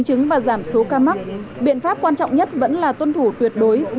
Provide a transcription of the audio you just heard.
tôi xin bắt đầu hết